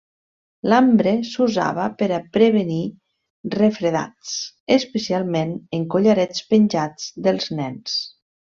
L'ambre s'usava per a prevenir refredats, especialment en collarets penjats dels nens.